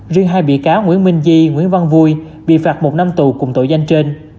riêng hai bị cáo nguyễn minh di nguyễn văn vui bị phạt một năm tù cùng tội danh trên